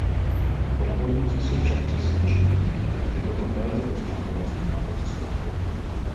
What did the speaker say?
Odborníci jsou však přesvědčeni, že toto nelze vyřešit vojenskými prostředky.